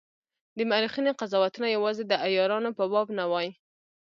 د مورخینو قضاوتونه یوازي د عیارانو په باب نه وای.